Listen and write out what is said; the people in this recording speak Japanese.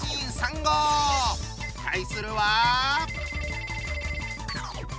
対するは。